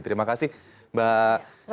terima kasih mbak eddy